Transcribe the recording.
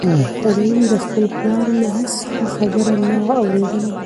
رحیم له خپل پلار نه هېڅ ښه خبره نه وه اورېدلې.